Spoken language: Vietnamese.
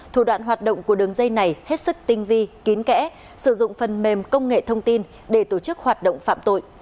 thủ đoạn hoạt động của đường dây này hết sức tinh vi kín kẽ sử dụng phần mềm công nghệ thông tin để tổ chức hoạt động phạm tội